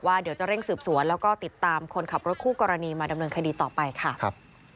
เดี๋ยวจะเร่งสืบสวนแล้วก็ติดตามคนขับรถคู่กรณีมาดำเนินคดีต่อไปค่ะครับ